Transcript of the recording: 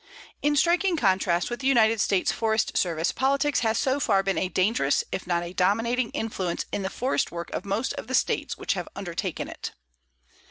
In striking contrast with the United States Forest Service, politics has so far been a dangerous, if not a dominating, influence in the forest work of most of the States which have undertaken it.